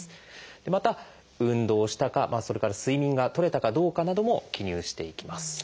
また運動したかそれから睡眠がとれたかどうかなども記入していきます。